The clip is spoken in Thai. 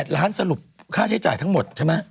ล้านสรุปค่าใช้จ่ายทั้งหมดใช่ไหม